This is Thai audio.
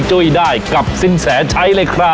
จะเปิดร้านเนี่ย